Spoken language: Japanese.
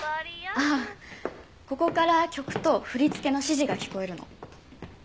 ああここから曲と振り付けの指示が聞こえるの。